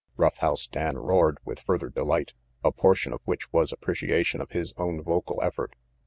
Rough House Dan roared with further delight, a portion of which was appreciation of his own vocal effort.